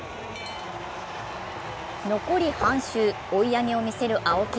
残り半周、追い上げを見せる青木。